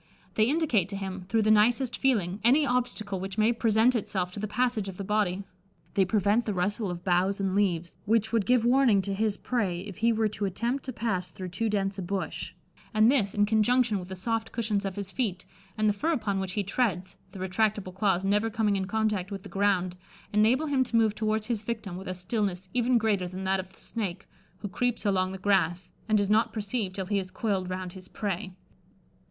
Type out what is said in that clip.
They indicate to him, through the nicest feeling, any obstacle which may present itself to the passage of the body: they prevent the rustle of boughs and leaves, which would give warning to his prey if he were to attempt to pass through too dense a bush, and this, in conjunction with the soft cushions of his feet, and the fur upon which he treads (the retractable claws never coming in contact with the ground), enable him to move towards his victim with a stillness even greater than that of the snake, who creeps along the grass, and is not perceived till he is coiled round his prey."